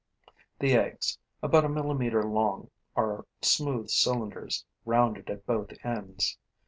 The eggs, about a millimeter long, are smooth cylinders, rounded at both ends.